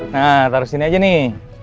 nah taruh sini aja nih